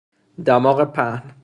دماغ پهن